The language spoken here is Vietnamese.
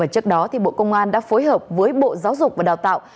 trước đó bộ công an đã phối hợp với bộ giáo dục và đào tạo